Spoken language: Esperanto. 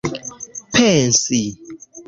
pensi